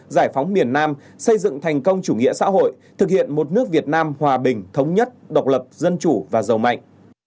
giải phóng miền nam xây dựng thành công chủ nghĩa xã hội thực hiện một nước việt nam hòa bình thống nhất độc lập dân chủ và giàu mạnh